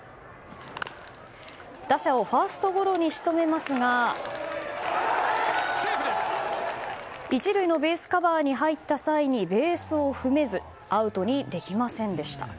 打者をファーストゴロに仕留めますが１塁のベースカバーに入った際にベースを踏めずアウトにできませんでした。